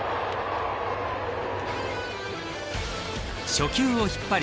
初球を引っ張り